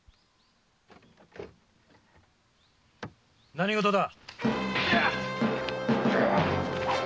何事だ？